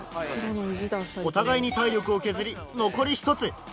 お互いに体力を削り残り１つ。